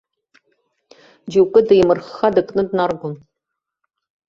Џьоукы деимырхха дыкны днаргон.